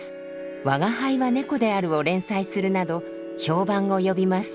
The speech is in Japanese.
「吾輩は猫である」を連載するなど評判を呼びます。